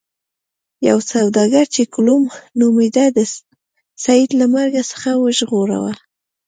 یو سوداګر چې کلوم نومیده سید له مرګ څخه وژغوره.